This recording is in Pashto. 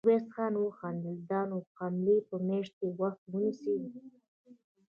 ميرويس خان وخندل: نو دا حملې به مياشتې وخت ونيسي.